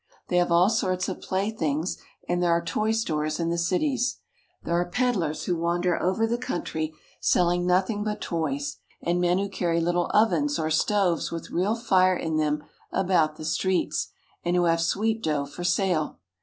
They have all sorts of playthings, and there are toy stores in the cities. There are peddlers who wander over the country seUing nothing but toys ; and men who carry little ovens or stoves with real fire in them about the streets, and who have sweet dough for sale.